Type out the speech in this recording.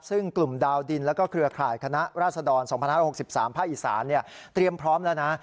ซึ่งกลุ่มดาวดินแล้วก็เครือข่ายคณะราษฎร๒๕๖๓ภาคอีสานเตรียมพร้อมแล้วนะ